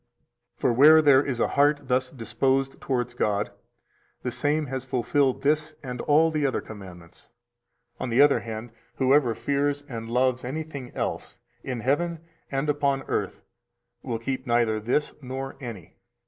For where there is a heart thus disposed towards God, the same has fulfilled this and all the other commandments. On the other hand, whoever fears and loves anything else in heaven and upon earth will keep neither this nor any.